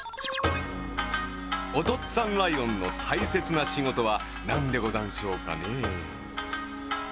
おとっつぁんライオンのたいせつなしごとはなんでござんしょうかねえ。